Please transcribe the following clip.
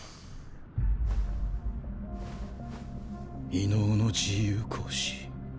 異能の自由行使。